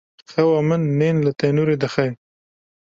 Xweha min nên li tenûrê dixe.